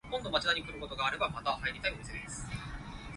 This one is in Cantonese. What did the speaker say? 拉牛上樹